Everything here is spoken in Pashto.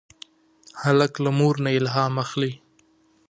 هلک له مور نه الهام اخلي.